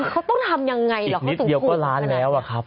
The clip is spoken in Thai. เขาต้องทำยังไงหรอเขาถูกถูกอีกนิดเดียวก็ล้านแล้วอ่ะครับ